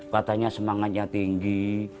katanya semangatnya tinggi